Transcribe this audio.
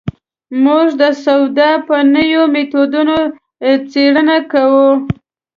موږ د سودا په نویو مېتودونو څېړنه کوو.